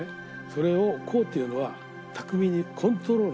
それを功っていうのは巧みにコントロール。